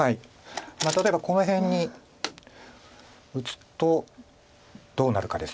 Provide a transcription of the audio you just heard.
例えばこの辺に打つとどうなるかです。